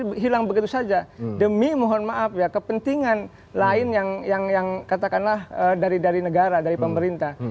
itu hilang begitu saja demi mohon maaf ya kepentingan lain yang katakanlah dari negara dari pemerintah